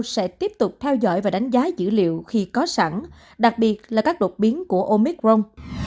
sẽ tiếp tục theo dõi và đánh giá dữ liệu khi có sẵn đặc biệt là các đột biến của omicron